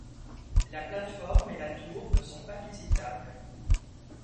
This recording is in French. La plateforme et la tour ne sont pas visitables.